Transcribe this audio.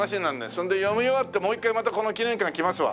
そんで読み終わってもう一回またこの記念館来ますわ。